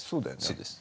そうです。